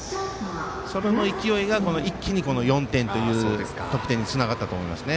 それの勢いが一気に４点という得点につながったと思います。